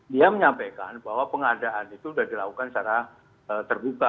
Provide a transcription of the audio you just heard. dia menyampaikan bahwa pengadaan itu sudah dilakukan secara terbuka